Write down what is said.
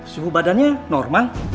suhu badannya normal